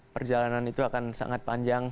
perjalanan itu akan sangat panjang